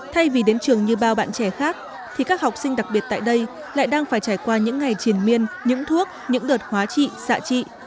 thay vì đến trường như bao bạn trẻ khác thì các học sinh đặc biệt tại đây lại đang phải trải qua những ngày triển miên những thuốc những đợt hóa trị xạ trị